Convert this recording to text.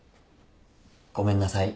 ごめんなさい。